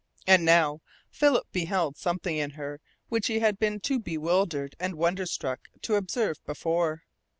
And now Philip beheld something in her which he had been too bewildered and wonder struck to observe before.